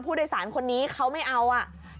ผู้โดยสารคนนี้เขาไม่เอาอ่ะ